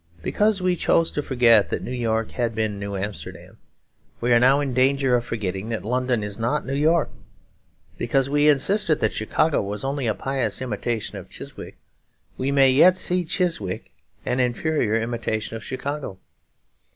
Because we chose to forget that New York had been New Amsterdam, we are now in danger of forgetting that London is not New York. Because we insisted that Chicago was only a pious imitation of Chiswick, we may yet see Chiswick an inferior imitation of Chicago.